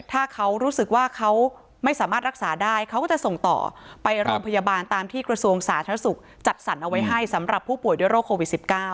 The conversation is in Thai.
ถ้าเขารู้สึกว่าเขาไม่สามารถรักษาได้เขาก็จะส่งต่อไปโรงพยาบาลตามที่กระทรวงสาธารณสุขจัดสรรเอาไว้ให้สำหรับผู้ป่วยด้วยโรคโควิด๑๙